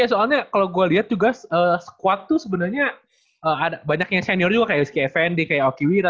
ya soalnya kalau gue lihat juga squad tuh sebenarnya banyaknya senior juga kayak whiskey effendy kayak okiwira